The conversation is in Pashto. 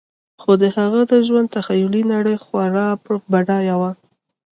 خو د هغه د ژوند تخیلي نړۍ خورا بډایه وه